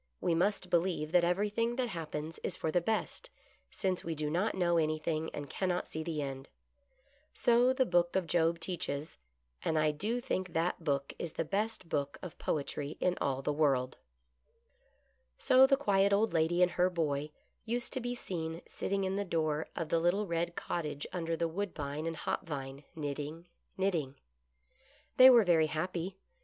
We must believe that ev erything that hap pens is for the best since we do not know any thing and cannot see the end ; so the book of Job MRS. fayerweather and "good luck." teaches, and I do think that book is the best book of poetry in all the world." 52 GOOD LUCK. So the quiet old lady and her boy used to be seen sitting in the door of the little red cottage under the woodbine and hop vine, knitting, knitting. They were very happy.